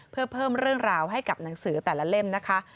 เพื่อเพิ่มเรื่องราวให้กับหนังสือแต่ละเล่มนะคะ